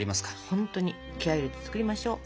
ほんとに気合入れて作りましょう。